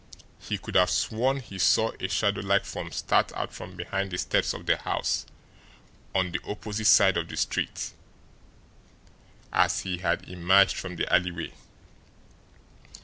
He could have sworn he saw a shadow like form start out from behind the steps of the house on the opposite side of the street as he had emerged from the alleyway.